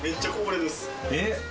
えっ！